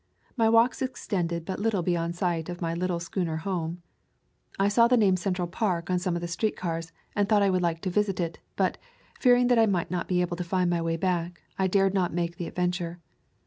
My walks extended but little beyond sight of my little schooner home. I saw the name Central Park on some of the street cars and thought I would like to visit it, but, fearing that I might not be able to find my way back, I dared not make the adventure.